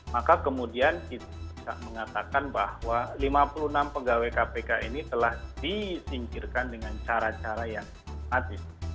maka kemudian kita bisa mengatakan bahwa lima puluh enam pegawai kpk ini telah disingkirkan dengan cara cara yang mati